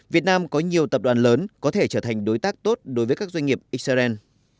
việt nam có nhiều tập đoàn lớn có thể trở thành đối tác tốt đối với các doanh nghiệp israel